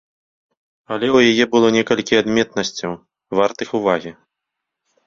Але ў яе было некалькі адметнасцяў, вартых увагі.